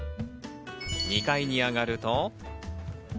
２階に上がると。